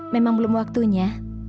memang belum waktunya